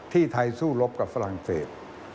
ที่ไทยสู้รบกับฝรั่งเศส